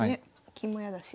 金も嫌だし。